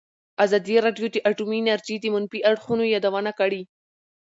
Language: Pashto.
ازادي راډیو د اټومي انرژي د منفي اړخونو یادونه کړې.